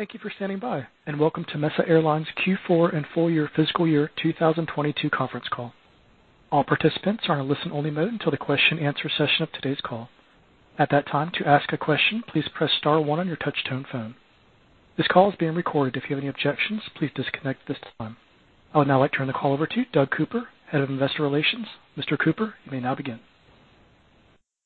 Thank you for standing by and welcome to Mesa Airlines Q4 and full year fiscal year 2022 conference call. All participants are in a listen-only mode until the question answer session of today's call. At that time, to ask a question, please press star one on your touch-tone phone. This call is being recorded. If you have any objections, please disconnect at this time. I would now like to turn the call over to you, Doug Cooper, Head of Investor Relations. Mr. Cooper, you may now begin.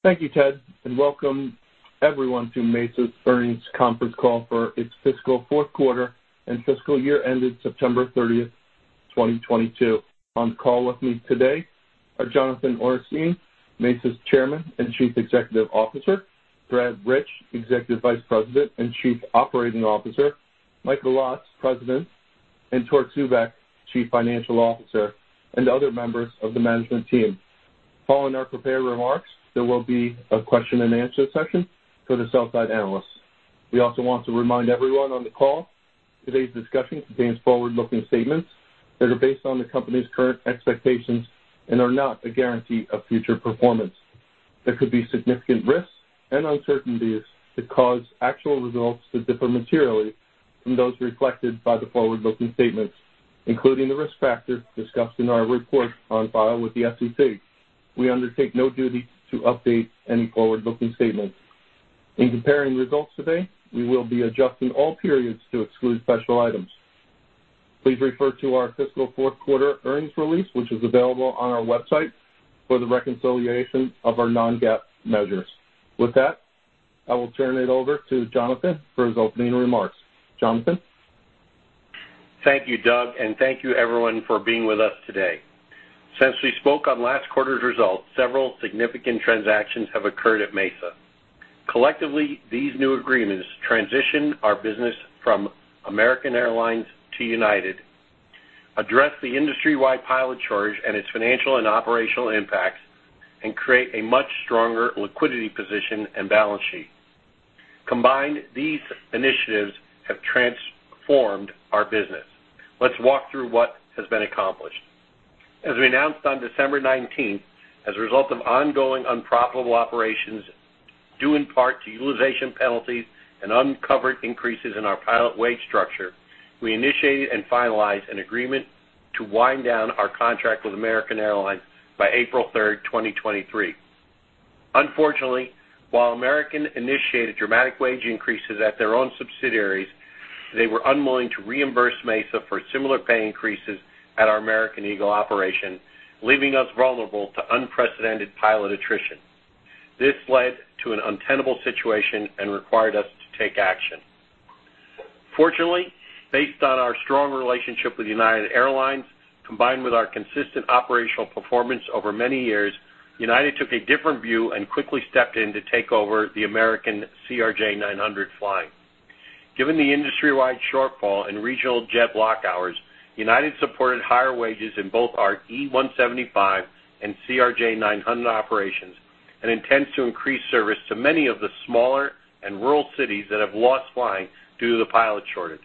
Thank you, Ted, and welcome everyone to Mesa's Earnings Conference Call for its fiscal Q4 and fiscal year ended 30 September 2022. On the call with me today are Jonathan Ornstein, Mesa's Chairman and Chief Executive Officer, Brad Rich, Executive Vice President and Chief Operating Officer, Michael Lotz, President, and Torque Zubeck, Chief Financial Officer, and other members of the management team. Following our prepared remarks, there will be a question-and-answer session for the sell-side analysts. We also want to remind everyone on the call today's discussion contains forward-looking statements that are based on the company's current expectations and are not a guarantee of future performance. There could be significant risks and uncertainties that cause actual results to differ materially from those reflected by the forward-looking statements, including the risk factors discussed in our report on file with the SEC. We undertake no duty to update any forward-looking statements. In comparing results today, we will be adjusting all periods to exclude special items. Please refer to our fiscal Q4 earnings release, which is available on our website for the reconciliation of our non-GAAP measures. With that, I will turn it over to Jonathan for his opening remarks. Jonathan? Thank you, Doug, and thank you everyone for being with us today. Since we spoke on last quarter's results, several significant transactions have occurred at Mesa. Collectively, these new agreements transition our business from American Airlines to United, address the industry-wide pilot shortage and its financial and operational impacts, and create a much stronger liquidity position and balance sheet. Combined, these initiatives have transformed our business. Let's walk through what has been accomplished. As we announced on December 19th, as a result of ongoing unprofitable operations, due in part to utilization penalties and uncovered increases in our pilot wage structure, we initiated and finalized an agreement to wind down our contract with American Airlines by 3 April 2023. Unfortunately, while American Airlines initiated dramatic wage increases at their own subsidiaries, they were unwilling to reimburse Mesa Air Group for similar pay increases at our American Eagle operation, leaving us vulnerable to unprecedented pilot attrition. This led to an untenable situation and required us to take action. Fortunately, based on our strong relationship with United Airlines, combined with our consistent operational performance over many years, United Airlines took a different view and quickly stepped in to take over the American Airlines CRJ-900 flying. Given the industry-wide shortfall in regional jet block hours, United Airlines supported higher wages in both our E-175 and CRJ-900 operations and intends to increase service to many of the smaller and rural cities that have lost flying due to the pilot shortage.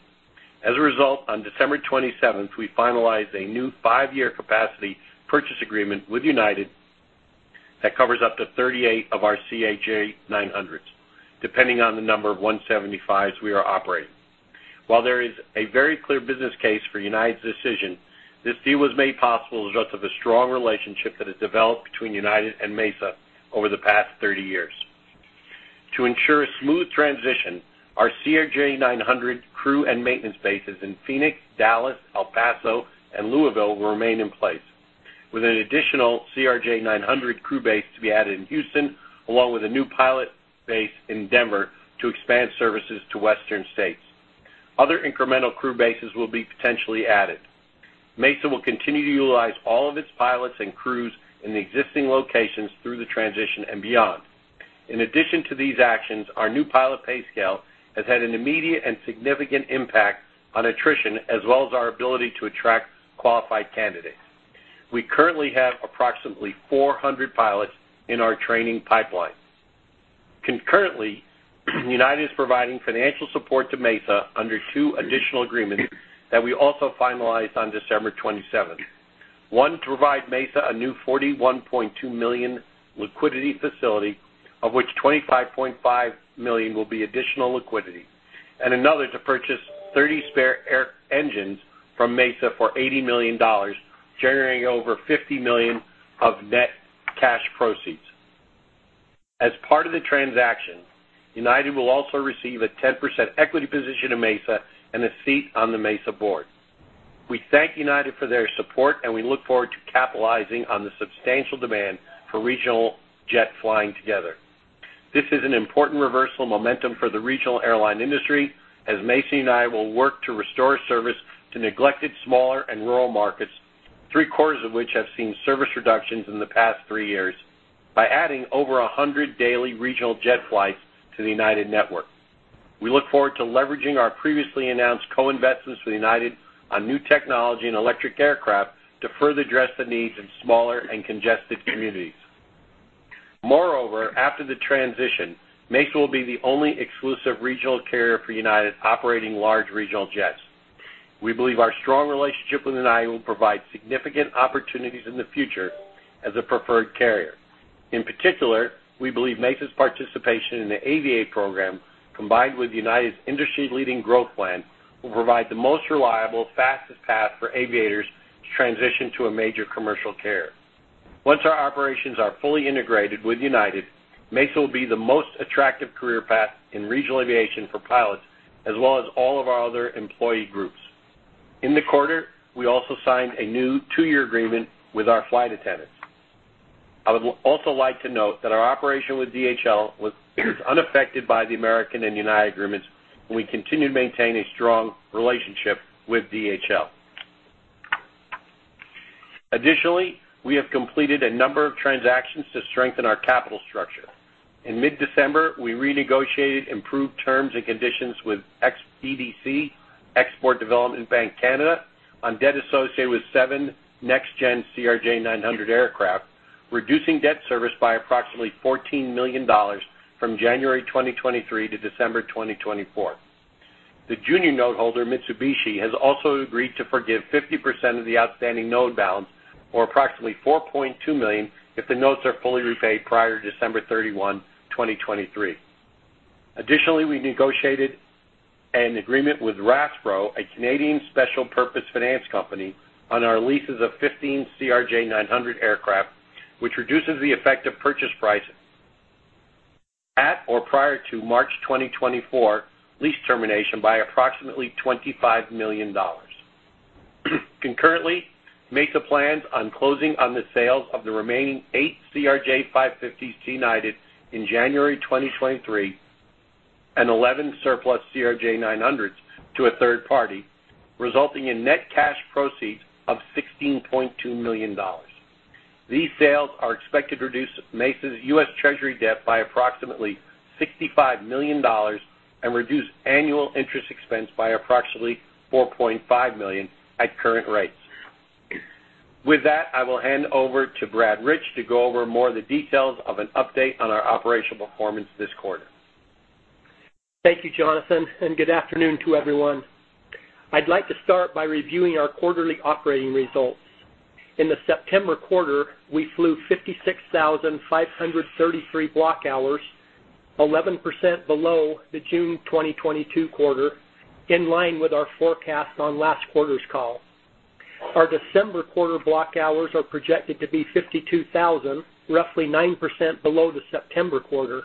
On December 27th, we finalized a new five-year Capacity Purchase Agreement with United that covers up to 38 of our CRJ-900s, depending on the number of E-175s we are operating. There is a very clear business case for United's decision, this deal was made possible as a result of a strong relationship that has developed between United and Mesa over the past 30 years. To ensure a smooth transition, our CRJ-900 crew and maintenance bases in Phoenix, Dallas, El Paso, and Louisville will remain in place, with an additional CRJ-900 crew base to be added in Houston, along with a new pilot base in Denver to expand services to Western states. Other incremental crew bases will be potentially added. Mesa will continue to utilize all of its pilots and crews in the existing locations through the transition and beyond. In addition to these actions, our new pilot pay scale has had an immediate and significant impact on attrition, as well as our ability to attract qualified candidates. We currently have approximately 400 pilots in our training pipeline. Concurrently, United is providing financial support to Mesa under two additional agreements that we also finalized on December 27th. One to provide Mesa a new $41.2 million liquidity facility, of which $25.5 million will be additional liquidity, and another to purchase 30 spare air engines from Mesa for $80 million, generating over $50 million of net cash proceeds. As part of the transaction, United will also receive a 10% equity position in Mesa and a seat on the Mesa board. We thank United for their support, and we look forward to capitalizing on the substantial demand for regional jet flying together. This is an important reversal momentum for the regional airline industry as Mesa and I will work to restore service to neglected smaller and rural markets, three-quarters of which have seen service reductions in the past three years by adding over 100 daily regional jet flights to the United network. We look forward to leveraging our previously announced co-investments with United on new technology and electric aircraft to further address the needs of smaller and congested communities. After the transition, Mesa will be the only exclusive regional carrier for United operating large regional jets. We believe our strong relationship with United will provide significant opportunities in the future as a preferred carrier. In particular, we believe Mesa's participation in the Aviate program, combined with United's industry-leading growth plan, will provide the most reliable, fastest path for aviators to transition to a major commercial carrier. Once our operations are fully integrated with United, Mesa will be the most attractive career path in regional aviation for pilots, as well as all of our other employee groups. In the quarter, we also signed a new two-year agreement with our flight attendants. I would also like to note that our operation with DHL was unaffected by the American and United agreements, and we continue to maintain a strong relationship with DHL. Additionally, we have completed a number of transactions to strengthen our capital structure. In mid-December, we renegotiated improved terms and conditions with ex-EDC, Export Development Bank Canada, on debt associated with seven NextGen CRJ-900 aircraft, reducing debt service by approximately $14 million from January 2023 to December 2024. The junior note holder, Mitsubishi, has also agreed to forgive 50% of the outstanding note balance, or approximately $4.2 million, if the notes are fully repaid prior to December 31, 2023. We negotiated an agreement with RASPRO, a Canadian special purpose finance company, on our leases of 15 CRJ-900 aircraft, which reduces the effect of purchase prices at or prior to March 2024 lease termination by approximately $25 million. Mesa plans on closing on the sales of the remaining 8 CRJ550s to United in January 2023, and 11 surplus CRJ-900s to a third party, resulting in net cash proceeds of $16.2 million. These sales are expected to reduce Mesa's U.S. Treasury debt by approximately $65 million and reduce annual interest expense by approximately $4.5 million at current rates. With that, I will hand over to Brad Rich to go over more of the details of an update on our operational performance this quarter. Thank you, Jonathan. Good afternoon to everyone. I'd like to start by reviewing our quarterly operating results. In the September quarter, we flew 56,533 block hours, 11% below the June 2022 quarter, in line with our forecast on last quarter's call. Our December quarter block hours are projected to be 52,000, roughly 9% below the September quarter.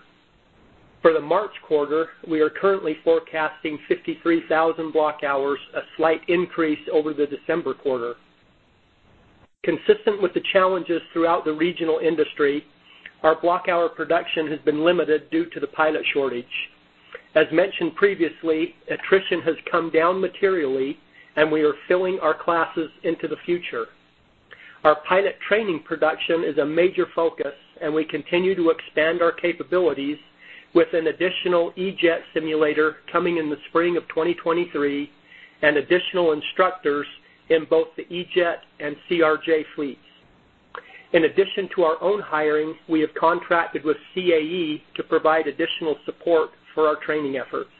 For the March quarter, we are currently forecasting 53,000 block hours, a slight increase over the December quarter. Consistent with the challenges throughout the regional industry, our block hour production has been limited due to the pilot shortage. As mentioned previously, attrition has come down materially, and we are filling our classes into the future. Our pilot training production is a major focus, and we continue to expand our capabilities with an additional E-Jet simulator coming in the spring of 2023 and additional instructors in both the E-Jet and CRJ fleets. In addition to our own hiring, we have contracted with CAE to provide additional support for our training efforts.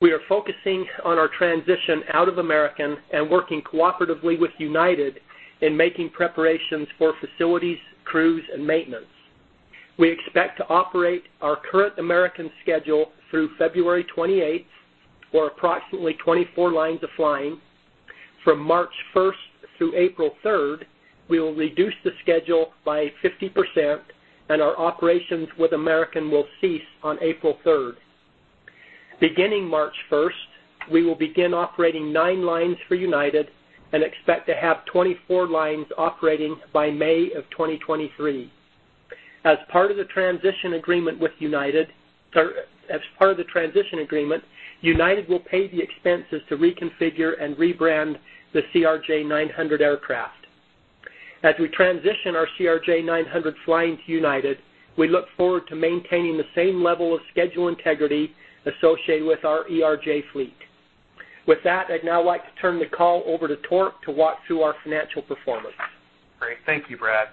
We are focusing on our transition out of American and working cooperatively with United in making preparations for facilities, crews, and maintenance. We expect to operate our current American schedule through February 28, or approximately 24 lines of flying. From March 1 through April 3, we will reduce the schedule by 50%, and our operations with American will cease on April 3. Beginning March 1, we will begin operating nine lines for United and expect to have 24 lines operating by May of 2023. As part of the transition agreement, United will pay the expenses to reconfigure and rebrand the CRJ-900 aircraft. As we transition our CRJ-900 flying to United, we look forward to maintaining the same level of schedule integrity associated with our ERJ fleet. With that, I'd now like to turn the call over to Torque to walk through our financial performance. Great. Thank you, Brad.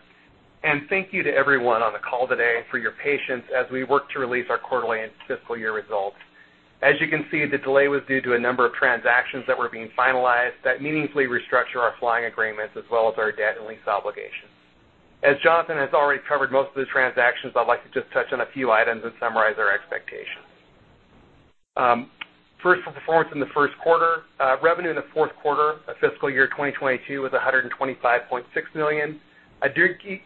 Thank you to everyone on the call today for your patience as we work to release our quarterly and fiscal year results. As you can see, the delay was due to a number of transactions that were being finalized that meaningfully restructure our flying agreements, as well as our debt and lease obligations. As Jonathan has already covered most of the transactions, I'd like to just touch on a few items and summarize our expectations. First, for performance in the Q1. Revenue in the Q4 of fiscal year 2022 was $125.6 million, a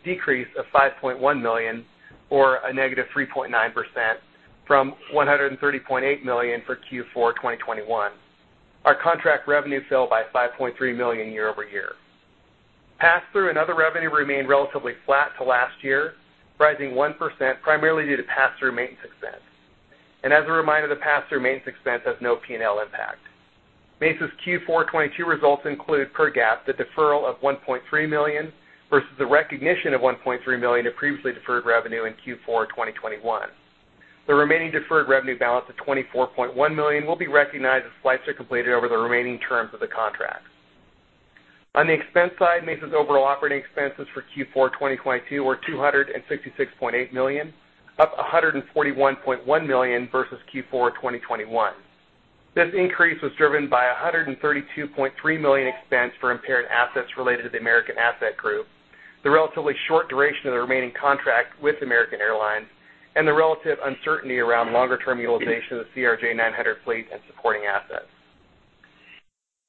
decrease of $5.1 million or a negative 3.9% from $130.8 million for Q4 2021. Our contract revenue fell by $5.3 million year-over-year. Pass-through and other revenue remained relatively flat to last year, rising 1% primarily due to pass-through maintenance expense. As a reminder, the pass-through maintenance expense has no P&L impact. Mesa's Q4 2022 results include, per GAAP, the deferral of $1.3 million versus the recognition of $1.3 million in previously deferred revenue in Q4 2021. The remaining deferred revenue balance of $24.1 million will be recognized as flights are completed over the remaining terms of the contract. On the expense side, Mesa's overall operating expenses for Q4 2022 were $266.8 million, up $141.1 million versus Q4 2021. This increase was driven by a $132.3 million expense for impaired assets related to the American Asset Group, the relatively short duration of the remaining contract with American Airlines, and the relative uncertainty around longer-term utilization of the CRJ-900 fleet and supporting assets.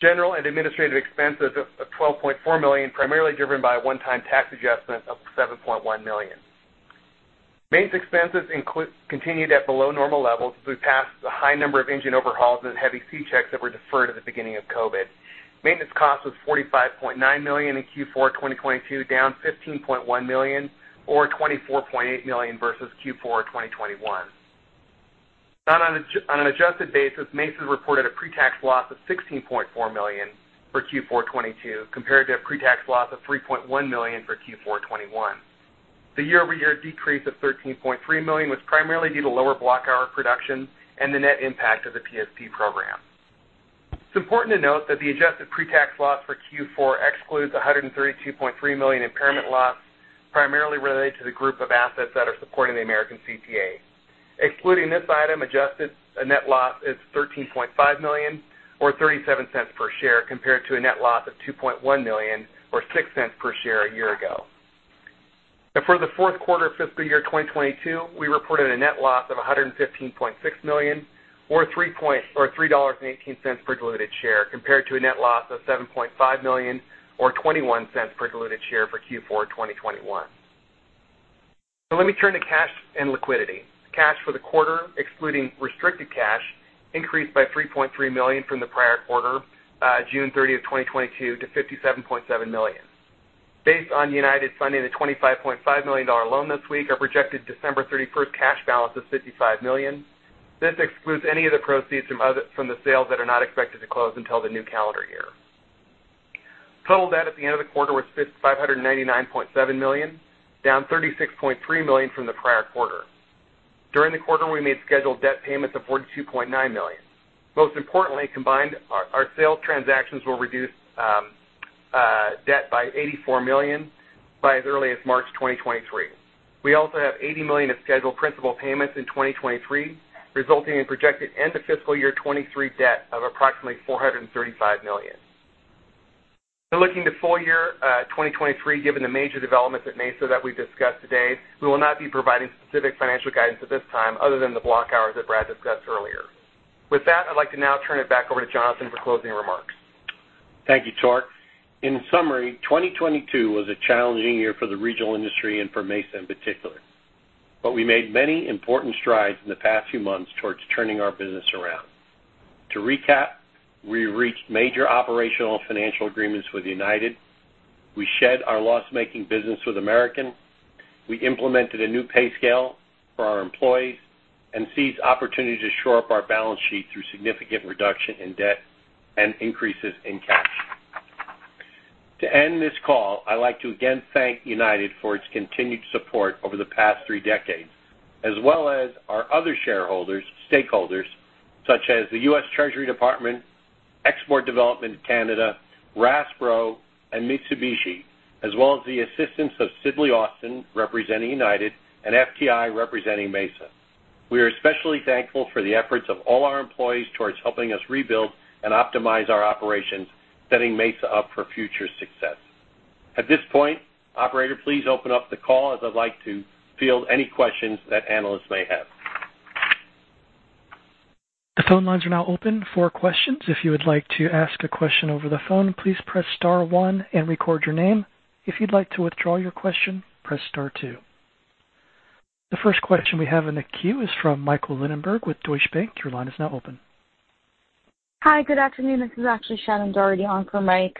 General and administrative expenses of $12.4 million, primarily driven by a one-time tax adjustment of $7.1 million. Maintenance expenses continued at below normal levels as we passed the high number of engine overhauls and heavy C checks that were deferred at the beginning of COVID. Maintenance cost was $45.9 million in Q4 2022, down $15.1 million or $24.8 million versus Q4 2021. On an adjusted basis, Mesa reported a pre-tax loss of $16.4 million for Q4 2022, compared to a pre-tax loss of $3.1 million for Q4 2021. The year-over-year decrease of $13.3 million was primarily due to lower block hour production and the net impact of the PSP program. It's important to note that the adjusted pre-tax loss for Q4 excludes a $132.3 million impairment loss, primarily related to the group of assets that are supporting the American CPA. Excluding this item, adjusted net loss is $13.5 million or $0.37 per share, compared to a net loss of $2.1 million or $0.06 per share a year ago. For the Q4 fiscal year 2022, we reported a net loss of $115.6 million or $3.18 per diluted share, compared to a net loss of $7.5 million or $0.21 per diluted share for Q4 2021. Let me turn to cash and liquidity. Cash for the quarter, excluding restricted cash, increased by $3.3 million from the prior quarter, 30 June 2022, to $57.7 million. Based on United funding the $25.5 million loan this week, our projected December 31st cash balance is $55 million. This excludes any of the proceeds from the sales that are not expected to close until the new calendar year. Total debt at the end of the quarter was $599.7 million, down $36.3 million from the prior quarter. During the quarter, we made scheduled debt payments of $42.9 million. Most importantly, combined, our sales transactions will reduce debt by $84 million by as early as March 2023. We also have $80 million of scheduled principal payments in 2023, resulting in projected end of fiscal year 2023 debt of approximately $435 million. Looking to full year 2023, given the major developments at Mesa that we've discussed today, we will not be providing specific financial guidance at this time other than the block hours that Brad discussed earlier. With that, I'd like to now turn it back over to Jonathan for closing remarks. Thank you, Torque. In summary, 2022 was a challenging year for the regional industry and for Mesa in particular. We made many important strides in the past few months towards turning our business around. To recap, we reached major operational financial agreements with United. We shed our loss-making business with American. We implemented a new pay scale for our employees and seized opportunities to shore up our balance sheet through significant reduction in debt and increases in cash. To end this call, I'd like to again thank United for its continued support over the past three decades, as well as our other shareholders, stakeholders such as the U.S. Treasury Department, Export Development Canada, RasPro, and Mitsubishi, as well as the assistance of Sidley Austin representing United and FTI representing Mesa. We are especially thankful for the efforts of all our employees towards helping us rebuild and optimize our operations, setting Mesa up for future success. At this point, operator, please open up the call as I'd like to field any questions that analysts may have. The phone lines are now open for questions. If you would like to ask a question over the phone, please press star one and record your name. If you'd like to withdraw your question, press star two. The first question we have in the queue is from Michael Linenberg with Deutsche Bank. Your line is now open. Hi, good afternoon. This is actually Shannon Doherty on for Mike.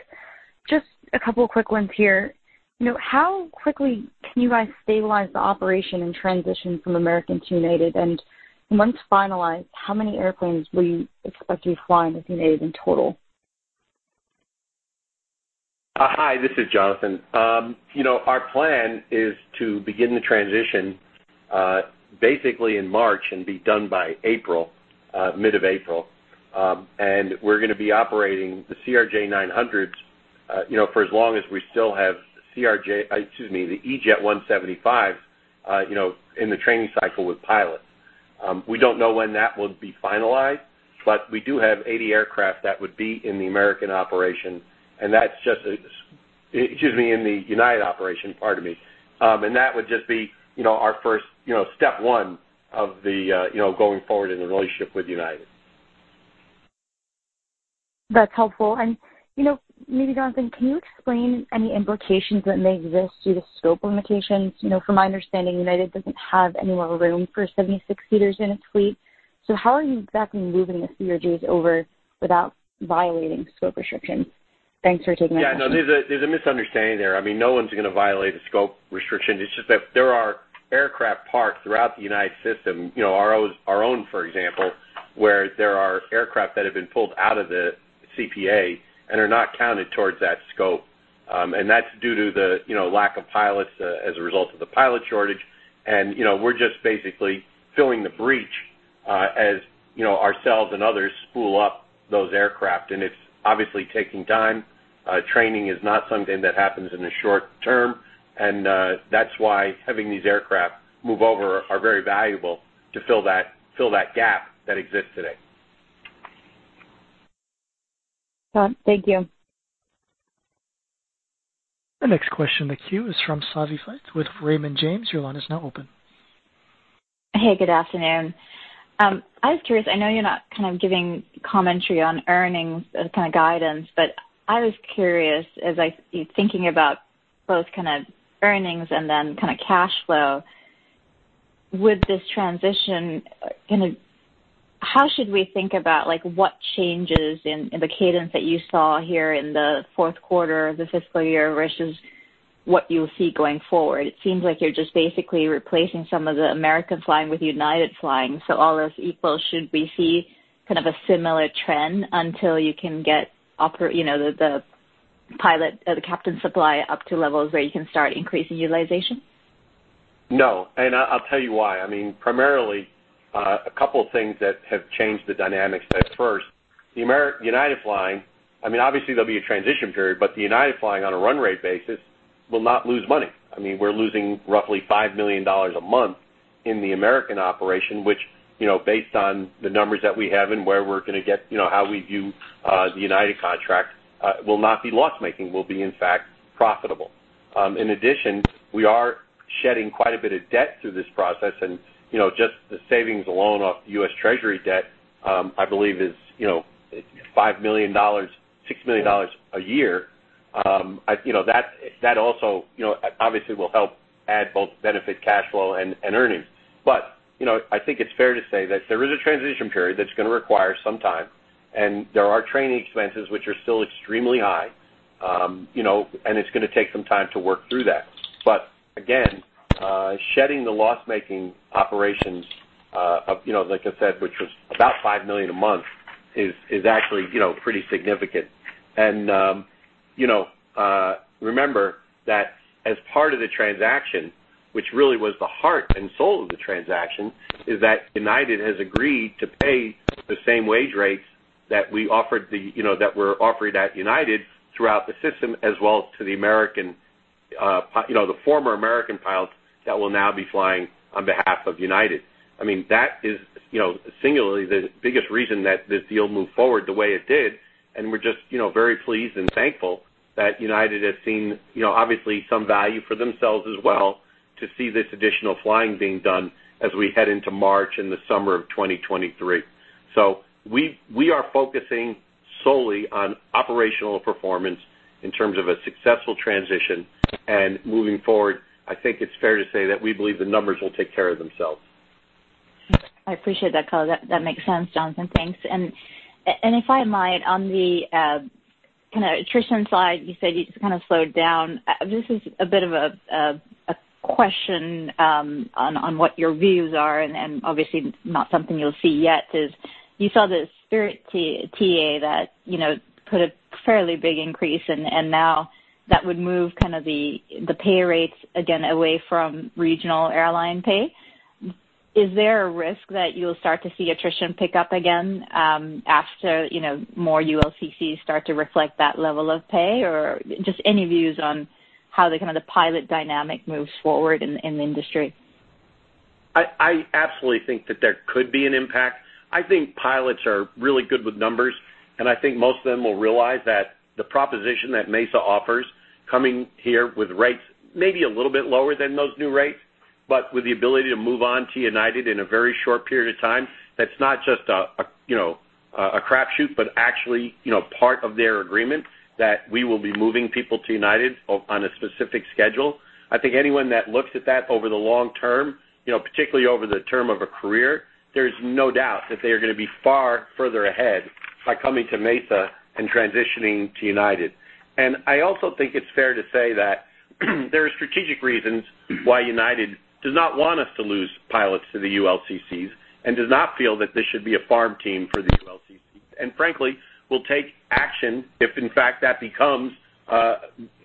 Just a couple quick ones here. You know, how quickly can you guys stabilize the operation and transition from American to United? Once finalized, how many airplanes will you expect to be flying with United in total? Hi, this is Jonathan. You know, our plan is to begin the transition, basically in March and be done by April, mid of April. We're going to be operating the CRJ-900, you know, for as long as we still have Excuse me, the E-175, you know, in the training cycle with pilots. We don't know when that will be finalized, we do have 80 aircraft that would be in the American operation, and that's just excuse me, in the United operation, pardon me. That would just be, you know, our first, you know, step one of the, you know, going forward in the relationship with United. That's helpful. You know, maybe, Jonathan, can you explain any implications that may exist due to scope limitations? You know, from my understanding, United doesn't have any more room for 76 seaters in its fleet. How are you exactly moving the CRJs over without violating scope restrictions? Thanks for taking my question. Yeah, no, there's a misunderstanding there. I mean, no one's gonna violate a scope restriction. It's just that there are aircraft parked throughout the United system, you know, our own, for example, where there are aircraft that have been pulled out of the CPA and are not counted towards that scope. That's due to the, you know, lack of pilots, as a result of the pilot shortage. You know, we're just basically filling the breach. As you know, ourselves and others spool up those aircraft, and it's obviously taking time. Training is not something that happens in the short term. That's why having these aircraft move over are very valuable to fill that gap that exists today. Thank you. The next question in the queue is from Savanthi Syth with Raymond James. Your line is now open. Hey, good afternoon. I was curious. I know you're not kind of giving commentary on earnings as kind of guidance, but I was curious, as I see you thinking about both kind of earnings and then kind of cash flow. With this transition, kind of how should we think about, like, what changes in the cadence that you saw here in the Q4 of the fiscal year versus what you'll see going forward? It seems like you're just basically replacing some of the American flying with United flying. All else equal, should we see kind of a similar trend until you can get the pilot or the captain supply up to levels where you can start increasing utilization? No, I'll tell you why. I mean, primarily, a couple of things that have changed the dynamics there. First, the United Flying, I mean, obviously there'll be a transition period, but the United Flying on a run rate basis will not lose money. I mean, we're losing roughly $5 million a month in the American operation, which, you know, based on the numbers that we have and where we're gonna get, you know, how we view the United contract, will not be loss-making, will be in fact profitable. In addition, we are shedding quite a bit of debt through this process. You know, just the savings alone off U.S. Treasury debt, I believe is, you know, $5 million, $6 million a year. you know, that also, you know, obviously will help add both benefit cash flow and earnings. You know, I think it's fair to say that there is a transition period that's gonna require some time, and there are training expenses which are still extremely high. you know, and it's gonna take some time to work through that. Again, shedding the loss-making operations, of, you know, like I said, which was about $5 million a month, is actually, you know, pretty significant. You know, remember that as part of the transaction, which really was the heart and soul of the transaction, is that United has agreed to pay the same wage rates that we offered the, you know, that were offered at United throughout the system, as well as to the American, you know, the former American pilots that will now be flying on behalf of United. I mean, that is, you know, singularly the biggest reason that this deal moved forward the way it did. We're just, you know, very pleased and thankful that United has seen, you know, obviously some value for themselves as well to see this additional flying being done as we head into March and the summer of 2023. We are focusing solely on operational performance in terms of a successful transition. Moving forward, I think it's fair to say that we believe the numbers will take care of themselves. I appreciate that color. That makes sense, Jonathan. Thanks. If I might, on the kind of attrition side, you said you just kind of slowed down. This is a bit of a question on what your views are. Obviously not something you'll see yet is, you saw the Spirit TA that, you know, put a fairly big increase. Now that would move kind of the pay rates again away from regional airline pay. Is there a risk that you'll start to see attrition pick up again after, you know, more ULCCs start to reflect that level of pay? Or just any views on how the kind of the pilot dynamic moves forward in the industry? I absolutely think that there could be an impact. I think pilots are really good with numbers, and I think most of them will realize that the proposition that Mesa offers coming here with rates maybe a little bit lower than those new rates, but with the ability to move on to United in a very short period of time, that's not just a, you know, a crapshoot, but actually, you know, part of their agreement that we will be moving people to United on a specific schedule. I think anyone that looks at that over the long term, you know, particularly over the term of a career, there's no doubt that they are gonna be far further ahead by coming to Mesa and transitioning to United. I also think it's fair to say that there are strategic reasons why United does not want us to lose pilots to the ULCCs and does not feel that this should be a farm team for the ULCCs. Frankly, we'll take action if in fact that becomes,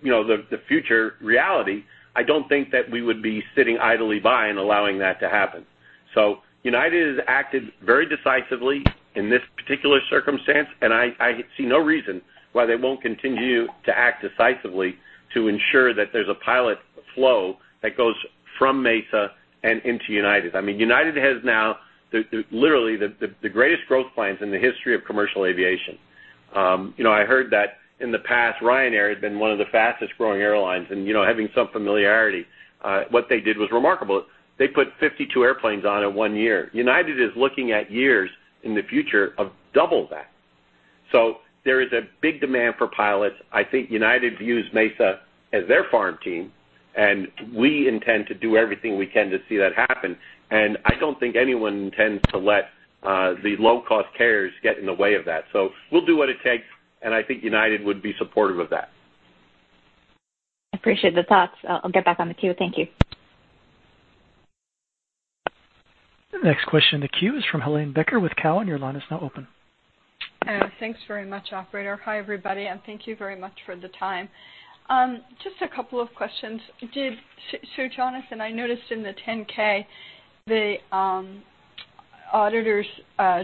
you know, the future reality. I don't think that we would be sitting idly by and allowing that to happen. United has acted very decisively in this particular circumstance, and I see no reason why they won't continue to act decisively to ensure that there's a pilot flow that goes from Mesa and into United. I mean, United has now literally the greatest growth plans in the history of commercial aviation. You know, I heard that in the past, Ryanair had been one of the fastest growing airlines. You know, having some familiarity, what they did was remarkable. They put 52 airplanes on in 1 year. United is looking at years in the future of double that. There is a big demand for pilots. I think United views Mesa as their farm team, and we intend to do everything we can to see that happen. I don't think anyone intends to let the low-cost carriers get in the way of that. We'll do what it takes, and I think United would be supportive of that. I appreciate the thoughts. I'll get back on the queue. Thank you. The next question in the queue is from Helane Becker with Cowen. Your line is now open. Thanks very much, operator. Hi, everybody, and thank you very much for the time. Just a couple of questions. So, Jonathan, I noticed in the 10-K, the auditors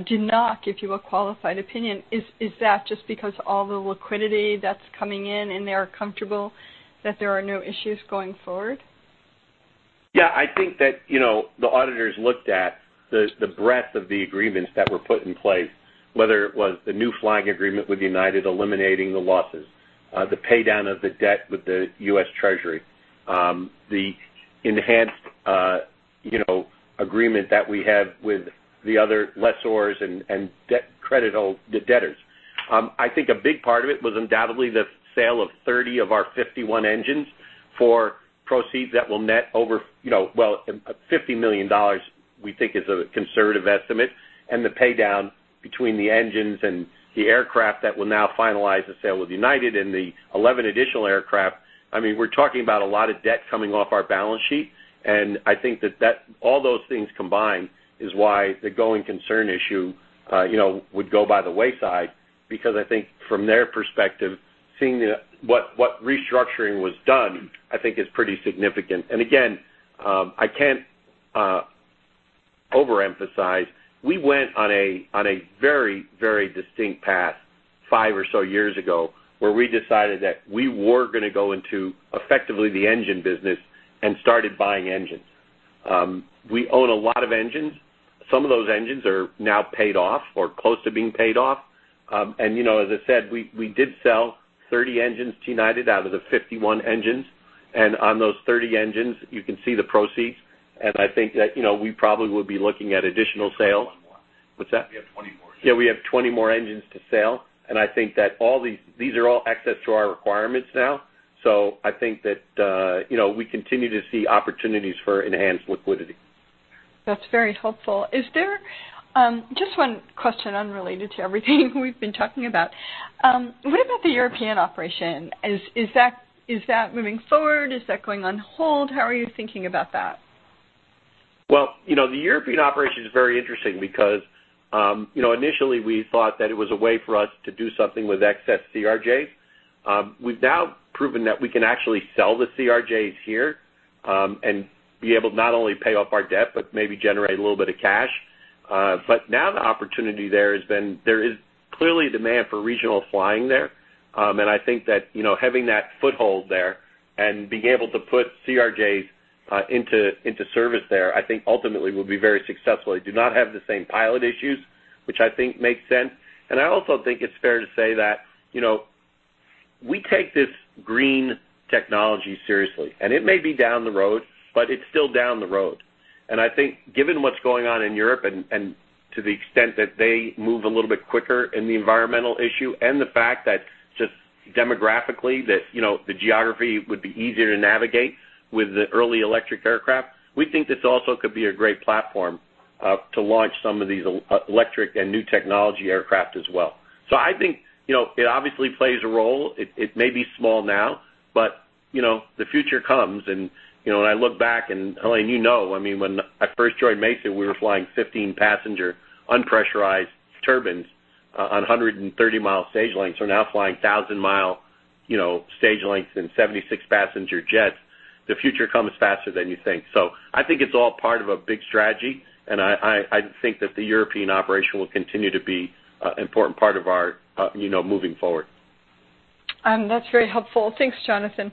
did not give you a qualified opinion. Is that just because all the liquidity that's coming in, and they are comfortable that there are no issues going forward? Yeah, I think that, you know, the auditors looked at the breadth of the agreements that were put in place, whether it was the new flying agreement with United eliminating the losses, the pay down of the debt with the U.S. Treasury, the enhanced, you know, agreement that we have with the other lessors and debtors. I think a big part of it was undoubtedly the sale of 30 of our 51 engines for proceeds that will net over, you know, well, $50 million, we think is a conservative estimate. The pay down between the engines and the aircraft that will now finalize the sale of United and the 11 additional aircraft. I mean, we're talking about a lot of debt coming off our balance sheet, I think that all those things combined is why the going concern issue, you know, would go by the wayside. I think from their perspective, seeing what restructuring was done, I think is pretty significant. Again, I can't overemphasize, we went on a very distinct path five or so years ago, where we decided that we were gonna go into effectively the engine business and started buying engines. We own a lot of engines. Some of those engines are now paid off or close to being paid off. You know, as I said, we did sell 30 engines to United out of the 51 engines, and on those 30 engines, you can see the proceeds. I think that, you know, we probably will be looking at additional sales. What's that? We have 20 more engines. Yeah, we have 20 more engines to sell, and I think that all these are all excess to our requirements now. I think that, you know, we continue to see opportunities for enhanced liquidity. That's very helpful. Is there just one question unrelated to everything we've been talking about? What about the European operation? Is that moving forward? Is that going on hold? How are you thinking about that? Well, you know, the European operation is very interesting because, you know, initially we thought that it was a way for us to do something with excess CRJ. We've now proven that we can actually sell the CRJs here, and be able to not only pay off our debt, but maybe generate a little bit of cash. Now the opportunity there has been, there is clearly demand for regional flying there. I think that, you know, having that foothold there and being able to put CRJs into service there, I think ultimately will be very successful. They do not have the same pilot issues, which I think makes sense. I also think it's fair to say that, you know, we take this green technology seriously, and it may be down the road, but it's still down the road. I think given what's going on in Europe and to the extent that they move a little bit quicker in the environmental issue and the fact that just demographically that, you know, the geography would be easier to navigate with the early electric aircraft. We think this also could be a great platform to launch some of these electric and new technology aircraft as well. I think, you know, it obviously plays a role. It, it may be small now, but, you know, the future comes and, you know, when I look back and Helane, you know, I mean, when I first joined Mesa, we were flying 15-passenger unpressurized turbines on 130mi stage lengths. We're now flying 1,000mi, you know, stage lengths and 76-passenger jets. The future comes faster than you think. I think it's all part of a big strategy, and I think that the European operation will continue to be an important part of our, you know, moving forward. That's very helpful. Thanks, Jonathan.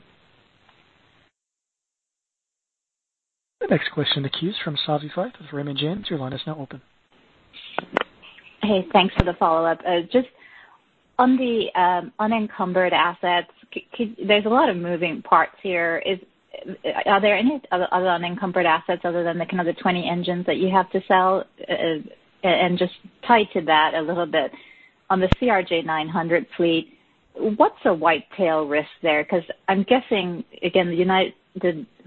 The next question in the queue is from Savanthi with Raymond James. Your line is now open. Hey, thanks for the follow-up. Just on the unencumbered assets, there's a lot of moving parts here. Are there any other unencumbered assets other than the kind of the 20 engines that you have to sell? And just tied to that a little bit, on the CRJ-900 fleet, what's a white tail risk there? Because I'm guessing, again, the United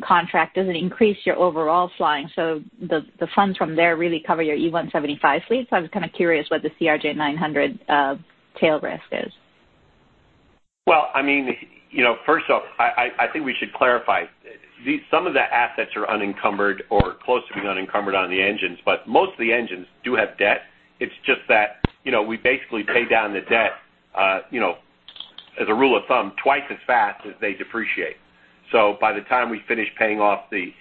contract doesn't increase your overall flying, so the funds from there really cover your E-175 fleet. So I was kind of curious what the CRJ-900 tail risk is? Well, I mean, you know, first off, I think we should clarify. Some of the assets are unencumbered or close to being unencumbered on the engines, but most of the engines do have debt. It's just that, you know, we basically pay down the debt, you know, as a rule of thumb, twice as fast as they depreciate. So by the time we finish paying off the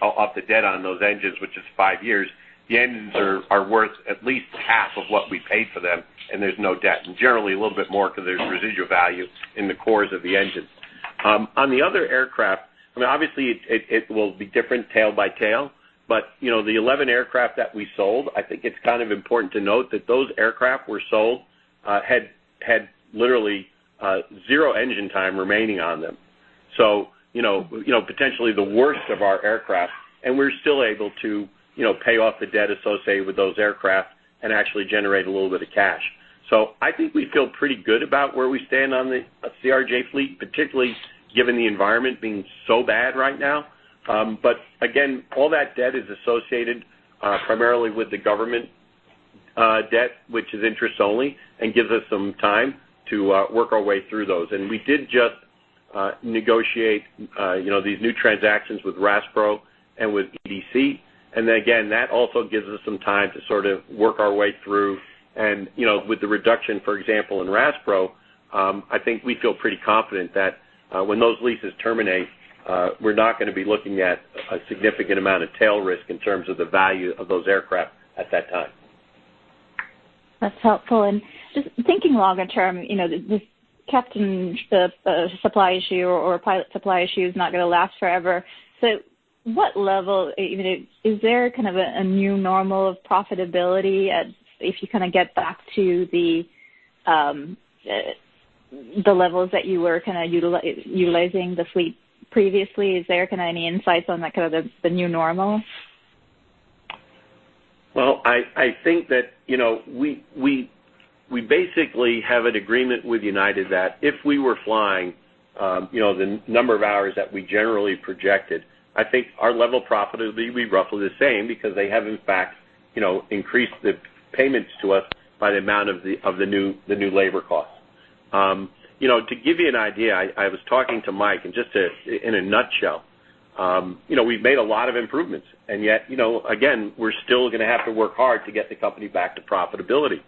debt on those engines, which is five years, the engines are worth at least half of what we paid for them, and there's no debt. Generally, a little bit more because there's residual value in the cores of the engines. On the other aircraft, I mean, obviously it will be different tail by tail, but, you know, the 11 aircraft that we sold, I think it's kind of important to note that those aircraft were sold, had literally 0 engine time remaining on them. You know, potentially the worst of our aircraft, and we're still able to, you know, pay off the debt associated with those aircraft and actually generate a little bit of cash. I think we feel pretty good about where we stand on the CRJ fleet, particularly given the environment being so bad right now. Again, all that debt is associated primarily with the government debt, which is interest only and gives us some time to work our way through those. We did just negotiate, you know, these new transactions with RASPRO and with EDC. Again, that also gives us some time to sort of work our way through. You know, with the reduction, for example, in RASPRO, I think we feel pretty confident that when those leases terminate, we're not gonna be looking at a significant amount of tail risk in terms of the value of those aircraft at that time. That's helpful. Just thinking longer term, you know, the captain, the supply issue or pilot supply issue is not gonna last forever. What level, you know, is there kind of a new normal of profitability at, if you kind of get back to the levels that you were kind of utilizing the fleet previously? Is there kind of any insights on that kind of the new normal? Well, I think that, you know, we basically have an agreement with United that if we were flying, you know, the n-number of hours that we generally projected, I think our level of profit would be roughly the same because they have in fact, you know, increased the payments to us by the amount of the new labor costs. You know, to give you an idea, I was talking to Mike, and just to, in a nutshell, you know, we've made a lot of improvements, and yet, you know, again, we're still gonna have to work hard to get the company back to profitability.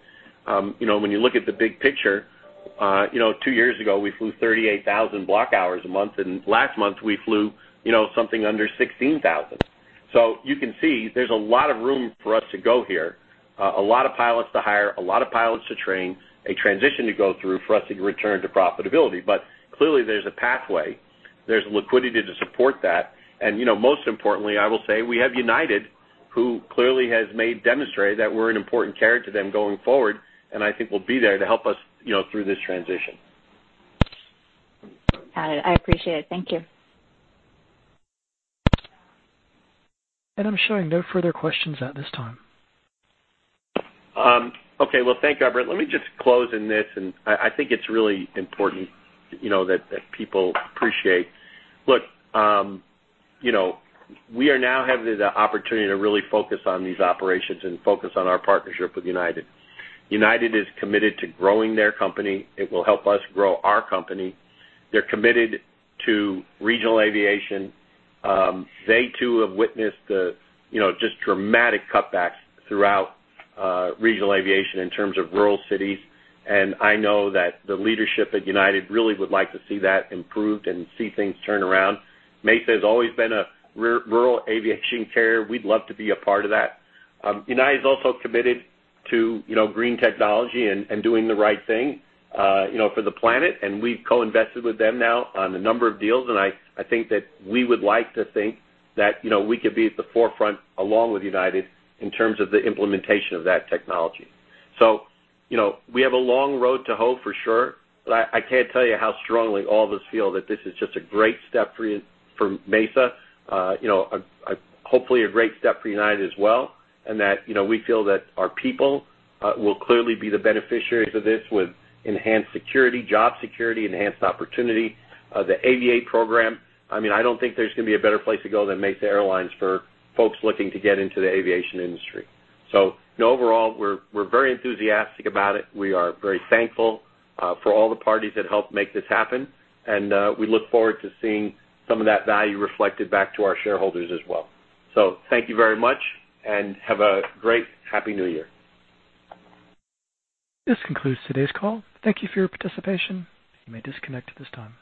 You know, when you look at the big picture, you know, two years ago, we flew 38,000 block hours a month, and last month we flew, you know, something under 16,000. You can see there's a lot of room for us to go here, a lot of pilots to hire, a lot of pilots to train, a transition to go through for us to return to profitability. Clearly, there's a pathway. There's liquidity to support that. You know, most importantly, I will say we have United, who clearly has made demonstrated that we're an important carrier to them going forward, and I think will be there to help us, you know, through this transition. Got it. I appreciate it. Thank you. I'm showing no further questions at this time. Okay. Well, thank you, Albert. Let me just close in this, I think it's really important, you know, that people appreciate. Look, you know, we are now having the opportunity to really focus on these operations and focus on our partnership with United. United is committed to growing their company. It will help us grow our company. They're committed to regional aviation. They too have witnessed the, you know, just dramatic cutbacks throughout regional aviation in terms of rural cities. I know that the leadership at United really would like to see that improved and see things turn around. Mesa has always been a rural aviation carrier. We'd love to be a part of that. United is also committed to, you know, green technology and doing the right thing, you know, for the planet. We've co-invested with them now on a number of deals, and I think that we would like to think that, you know, we could be at the forefront along with United in terms of the implementation of that technology. You know, we have a long road to hoe for sure, but I can't tell you how strongly all of us feel that this is just a great step for Mesa. You know, a hopefully a great step for United as well, and that, you know, we feel that our people will clearly be the beneficiaries of this with enhanced security, job security, enhanced opportunity. The Aviate program, I mean, I don't think there's gonna be a better place to go than Mesa Airlines for folks looking to get into the aviation industry. You know, overall, we're very enthusiastic about it. We are very thankful for all the parties that helped make this happen, and we look forward to seeing some of that value reflected back to our shareholders as well. Thank you very much, and have a great happy New Year. This concludes today's call. Thank you for your participation. You may disconnect at this time.